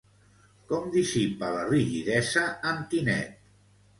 Com dissipa la rigidesa, en Tinet?